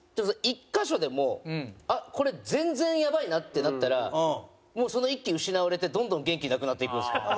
１カ所でもあっこれ全然やばいなってなったらもうその１機失われてどんどん元気なくなっていくんですよ。